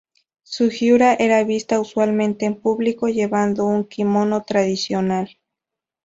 Sugiura era vista usualmente en público llevando un kimono tradicional.